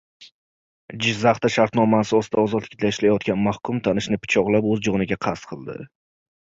Jizzaxda shartnoma asosida ozodlikda ishlayotgan mahkum tanishini pichoqlab, o‘z joniga qasd qildi